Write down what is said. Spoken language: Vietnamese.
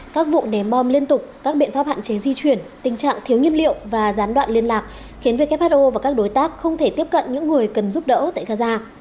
các vụ ném bom liên tục các biện pháp hạn chế di chuyển tình trạng thiếu nhiên liệu và gián đoạn liên lạc khiến who và các đối tác không thể tiếp cận những người cần giúp đỡ tại gaza